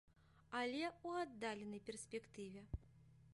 Але ў аддаленай перспектыве.